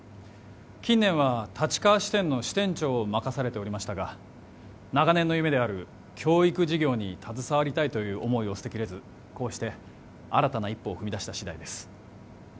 近年は立川支店の支店長を任されておりましたが長年の夢である教育事業に携わりたいという思いを捨てきれずこうして新たな一歩を踏み出したしだいです